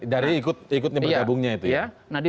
dari ikutnya bergabungnya itu ya